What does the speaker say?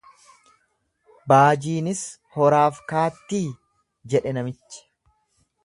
Baajiinis horaaf kaattii jedhe namichi.